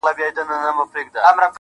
د ميني ننداره ده، د مذهب خبره نه ده.